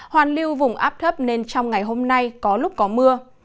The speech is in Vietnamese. hoàn lưu vùng áp thấp nên trong ngày hôm nay có lúc có mưa